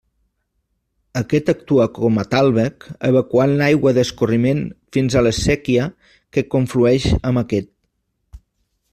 Aquest actua com a tàlveg evacuant l'aigua d'escorriment fins a la séquia que conflueix amb aquest.